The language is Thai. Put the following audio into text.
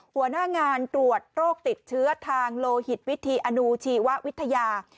หัวหน้างานตรวจโรคติดเชื้อทางโลหิตวิธีอนุชีววิทยา